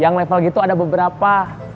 yang level gitu ada beberapa